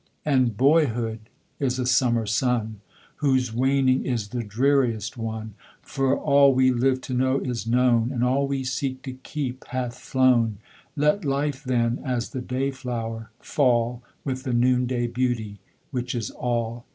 And boyhood is a summer sun Whose waning is the dreariest one For all we live to know is known, And all we seek to keep hath flown Let life, then, as the day flower, fall With the noon day beauty which is all.